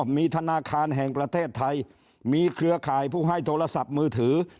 มีธนาคารแห่งประเทศไทยมีเครือข่ายผู้ให้โทรศัพท์มือถือ